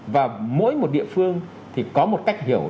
và mỗi một địa phương thì có một cách hiểu